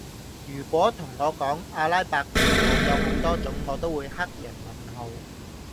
如果同我講阿拉伯字母有好多種我都會黑人問號